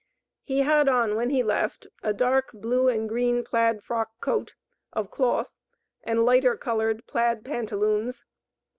He had on when he left a dark blue and green plaid frock coat, of cloth, and lighter colored plaid pantaloons.